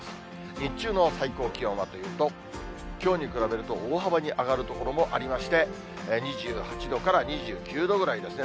日中の最高気温はというと、きょうに比べると大幅に上がる所もありまして、２８度から２９度ぐらいですね。